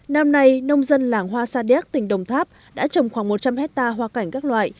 năm nay nông dân làng hoa sa đéc tỉnh đồng tháp đã trồng khoảng một trăm linh hectare hoa cảnh các loại